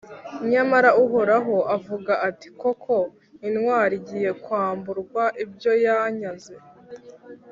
nyamara uhoraho aravuga ati ‘koko intwari igiye kwamburwa ibyo yanyaze,